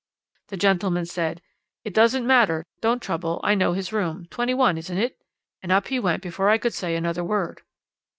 The gentleman said: "It doesn't matter. Don't trouble; I know his room. Twenty one, isn't it?" And up he went before I could say another word.'